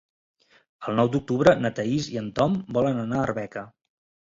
El nou d'octubre na Thaís i en Tom volen anar a Arbeca.